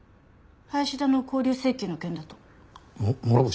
林田の勾留請求の件だと。も諸星？